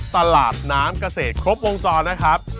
ตลาดน้ำเกษตรครบวงจรนะครับ